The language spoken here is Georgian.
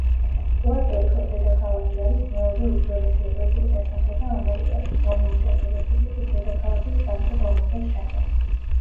პუერტო-რიკოს დედაქალაქი არის მეორე უძველესი ევროპული დასახლება ამერიკაში, დომინიკელთა რესპუბლიკის დედაქალაქის სანტო-დომინგოს შემდეგ.